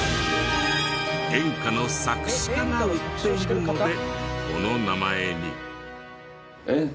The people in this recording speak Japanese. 演歌の作詞家が売っているのでこの名前に。